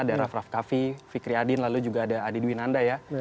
ada raff raff kaffi fikri adin lalu juga ada adi dwinanda ya